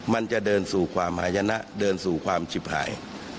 มันจะเดินสู่ความหายนะเดินสู่ความฉิบหาย